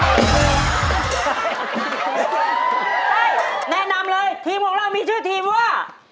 แนะนำเลยทีมของเรามีชื่อทีมว่า